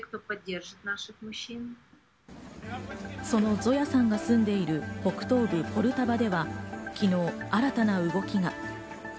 そのゾヤさんが住んでいる北東部ポルタバでは、昨日、新たな動きが。